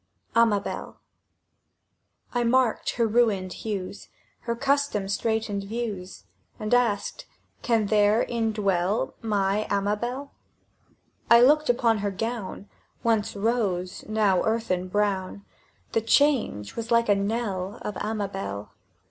AMABEL I MARKED her ruined hues, Her custom straitened views, And asked, "Can there indwell My Amabel?" I looked upon her gown, Once rose, now earthen brown; The change was like the knell Of Amabel.